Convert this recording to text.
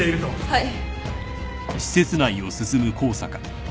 はい。